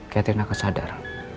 catherine akan sadar